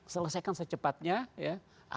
selesaikan secepatnya ya